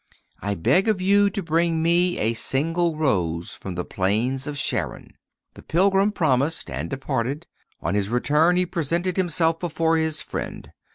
I beg of you to bring me a single rose from the plains of Sharon.' The pilgrim promised, and departed. On his return he presented himself before his friend.